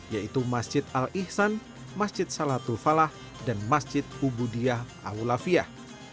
yaitu masjid al ihsan masjid salatul falah dan masjid ubudiah awulafiyah